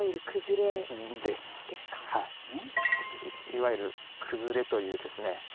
いわゆる「崩れ」というですね。